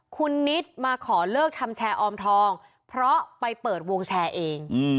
คุณนิดมาขอเลิกทำแชร์ออมทองเพราะไปเปิดวงแชร์เอง